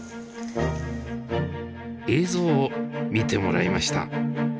映像を見てもらいました。